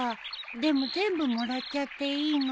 でも全部もらっちゃっていいの？